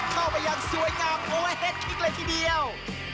เข้าไปอย่างสวยงามโอ้ยเฮ็ดคิกเลยทีเดียว